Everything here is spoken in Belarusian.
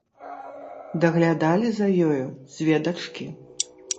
Даглядалі за ёю дзве дачкі.